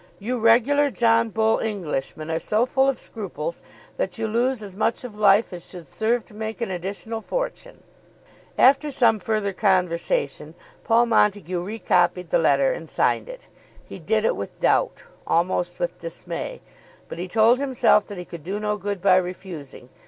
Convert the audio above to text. You regular John Bull Englishmen are so full of scruples that you lose as much of life as should serve to make an additional fortune." After some further conversation Paul Montague recopied the letter and signed it. He did it with doubt, almost with dismay. But he told himself that he could do no good by refusing.